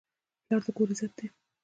پلار د کور عزت دی.